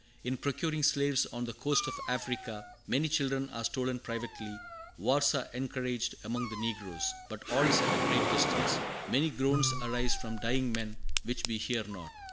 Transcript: In procuring slaves on the coast of Africa, many children are stolen privately; wars are encouraged among the negroes, but all is at a great distance. Many groans arise from dying men which we hear not.